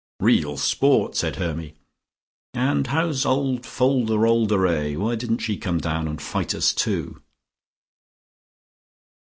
"Real sport," said Hermy. "And how's old Fol de rol de ray? Why didn't she come down and fight us, too?"